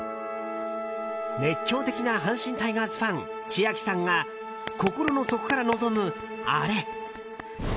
熱狂的な阪神タイガースファン千秋さんが心の底から望む、アレ。